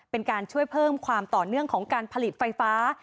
เป็นการช่วยเพิ่มความต่อเนื่องของการผลิตไฟฟ้า